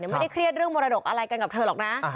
ไม่ได้เครียดเรื่องมรดกอะไรกันกับเธอหรอกนะ